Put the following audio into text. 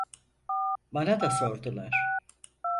Bana da sordular.